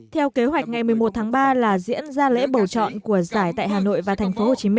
theo kế hoạch ngày một mươi một tháng ba là diễn ra lễ bầu chọn của giải tại hà nội và tp hcm